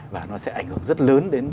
và nó sẽ ảnh hưởng rất lớn đến